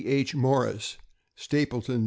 H. Morris, Stapleton, N.